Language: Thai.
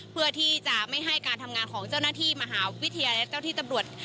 เพื่อที่จะไม่ให้การทำงานของเจ้าหน้าที่มหาวิทยาลัยและเจ้าที่ตำรวจ